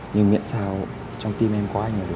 nhưng miệng sao trong tim em có anh là được